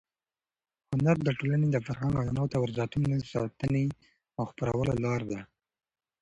هنر د ټولنې د فرهنګ، عنعناتو او ارزښتونو د ساتنې او خپرولو لار ده.